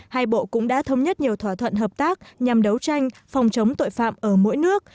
hai bộ cũng đã thống nhất nhiều thỏa thuận hợp tác nhằm đấu tranh phòng chống tội phạm ở mỗi nước